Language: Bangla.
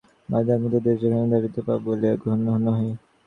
ভারতই একমাত্র দেশ, যেখানে দারিদ্র্য পাপ বলিয়া গণ্য নহে।